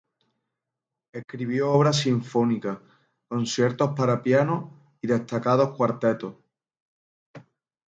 Escribió obra sinfónica, conciertos para pianos y destacados cuartetos.